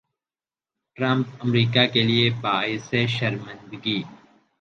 Trump امریکا کیلئے باعث شرمندگی